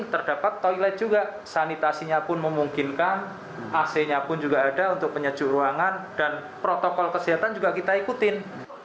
terdapat toilet juga sanitasinya pun memungkinkan ac nya pun juga ada untuk penyejuk ruangan dan protokol kesehatan juga kita ikutin